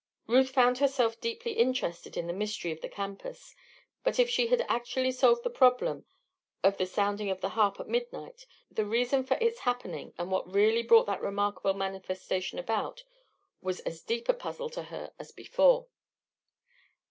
Ruth found herself deeply interested in the mystery of the campus; but if she had actually solved the problem of the sounding of the harp at midnight, the reason for the happening, and what really brought that remarkable manifestation about, was as deep a puzzle to her as before.